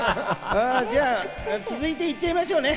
続いていっちゃいましょうね。